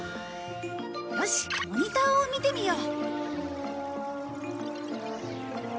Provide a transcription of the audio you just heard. よしモニターを見てみよう。